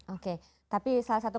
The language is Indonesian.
oke tapi salah satu